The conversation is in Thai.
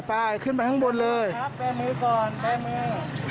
ขึ้นไปข้างบนเลยครับแบร์มือก่อนแบร์มือ